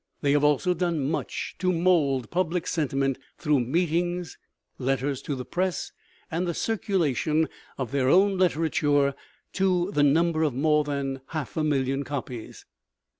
They have also done much to mold public sentiment through meetings, letters to the press, and the circulation of their own literature to the number of more than half a million copies.